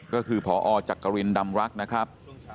ก็คือพอจักรินดำรักนะครับ